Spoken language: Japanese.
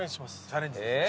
チャレンジ。